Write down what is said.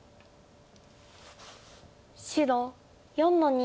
白４の二。